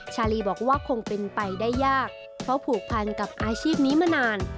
ชาลีบอกว่าคงเป็นไปได้ยากเพราะผูกพันกับอาชีพนี้มานาน